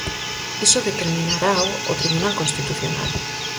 Iso determinarao o Tribunal Constitucional.